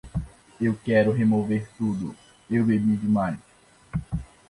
Eu quero remover tudo: eu bebi demais.